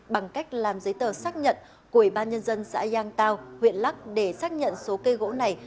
bằng cách làm giấy tờ xác nhận của ủy ban nhân dân xã giang tao huyện lắc để xác nhận số cây gỗ này